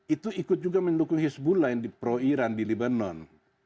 itu ikut juga mendukung hezbollah yang pro iran di libanon